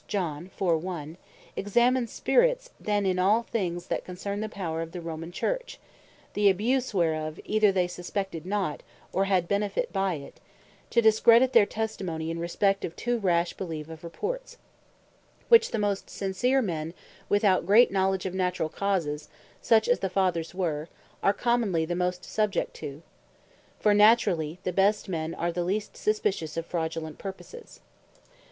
chap. 4. verse 1.) examine Spirits, than in all things that concern the power of the Romane Church, (the abuse whereof either they suspected not, or had benefit by it,) to discredit their testimony, in respect of too rash beleef of reports; which the most sincere men, without great knowledge of naturall causes, (such as the Fathers were) are commonly the most subject to: For naturally, the best men are the least suspicious of fraudulent purposes.